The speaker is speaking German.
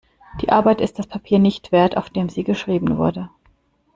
Die Arbeit ist das Papier nicht wert, auf dem sie geschrieben wurde.